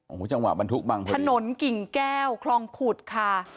โอ้โหจังหวะมันทุกข์บ้างเท่านี้ถนนกิ่งแก้วคลองขุดค่ะ